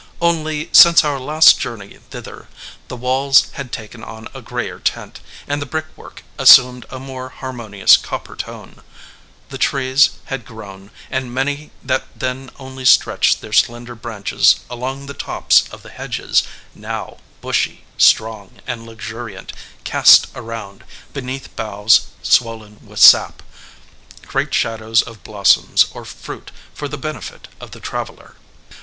Only, since our last journey thither, the walls had taken on a grayer tint, and the brick work assumed a more harmonious copper tone; the trees had grown, and many that then only stretched their slender branches along the tops of the hedges, now, bushy, strong, and luxuriant, cast around, beneath boughs swollen with sap, great shadows of blossoms or fruit for the benefit of the traveler.